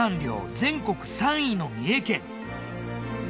全国３位の三重県。